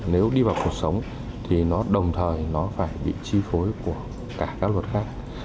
nếu đi vào cuộc sống thì nó đồng thời nó phải bị chi phối của cả các luật khác